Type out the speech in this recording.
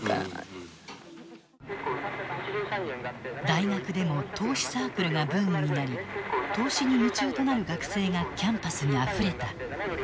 大学でも投資サークルがブームになり投資に夢中となる学生がキャンパスにあふれた。